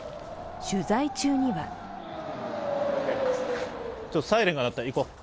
取材中にはサイレンが鳴った、行こう。